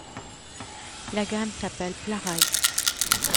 La gamme s'appelle Plarail.